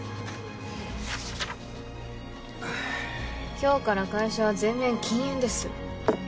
今日から会社は全面禁煙です。